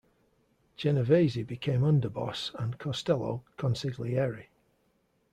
Genovese became underboss and Costello "consigliere".